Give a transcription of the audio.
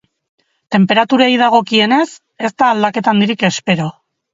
Tenperaturei dagokienez, ez da aldaketa handirik espero.